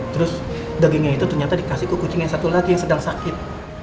terus dagingnya itu ternyata dikasih ke kucing yang satu lagi yang sedang sakit